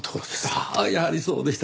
ああやはりそうでしたか。